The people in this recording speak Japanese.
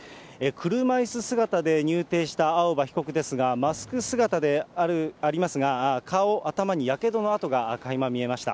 車いす姿で入廷した青葉被告ですが、マスク姿でありますが、顔、頭にやけどの痕がかいま見えました。